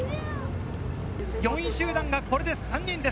４位集団がこれで３人です。